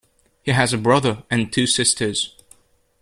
He has a brother and two sisters.